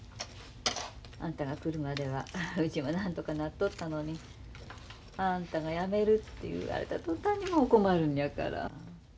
あんたが来るまではうちもなんとかなっとったのにあんたがやめるって言われた途端にもう困るんやから。